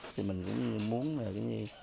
thì mình cũng muốn là